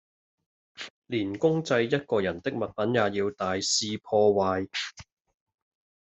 連公祭一個人的物品也要大肆破壞